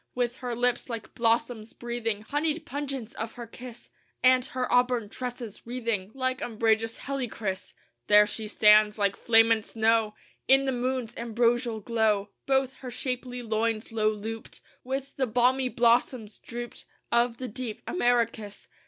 With her lips, like blossoms, breathing Honeyed pungence of her kiss, And her auburn tresses wreathing Like umbrageous helichrys, There she stands, like flame and snow, In the moon's ambrosial glow, Both her shapely loins low looped With the balmy blossoms, drooped, Of the deep amaracus.